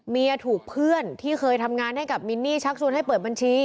ถูกเพื่อนที่เคยทำงานให้กับมินนี่ชักชวนให้เปิดบัญชี